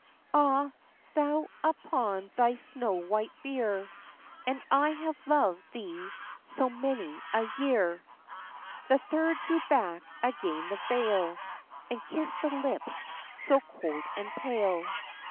"Ah, thou upon thy snow white bier! And I have loved thee so many a year." The third drew back again the veil, And kissed the lips so cold and pale.